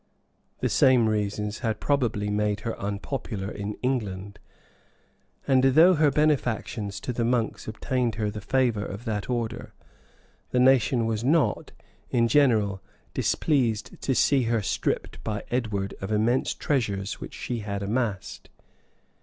[ Anglia Sacra, vol. i. p.237] The same reasons had probably made her unpopular in England; and though her benefactions to the monks obtained her the favor of that order, the nation was not, in general, displeased to see her stripped by Edward of immense treasures which she had amassed.